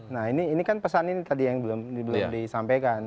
nah ini kan pesan ini tadi yang belum disampaikan